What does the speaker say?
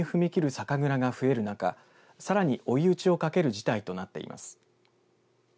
酒蔵が増える中さらに追い打ちをかける事態となっています。